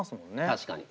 確かに。